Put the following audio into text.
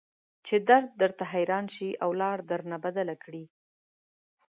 چې درد درته حيران شي او لار درنه بدله کړي.